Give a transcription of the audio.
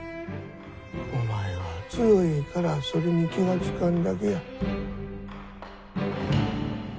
お前は強いからそれに気がつかんだけや。